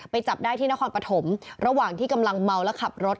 จับได้ที่นครปฐมระหว่างที่กำลังเมาและขับรถ